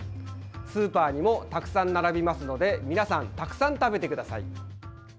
スーパーにもたくさん並びますので皆さん、たくさん食べてください。